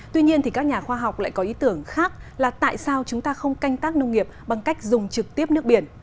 tuy nhiên thì các nhà khoa học lại có ý tưởng khác là tại sao chúng ta không canh tác nông nghiệp bằng cách dùng trực tiếp nước biển